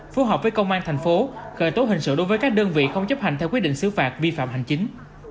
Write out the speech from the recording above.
phù hợp với công an thành phố khởi tố hình sự đối với các đơn vị không chấp hành theo quyết định xứ phạt vi phạm hành chính